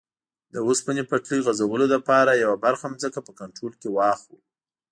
د اوسپنې پټلۍ غځولو لپاره یوه برخه ځمکه په کنټرول کې واخلو.